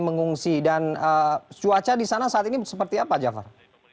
mengungsi dan cuaca di sana saat ini seperti apa jafar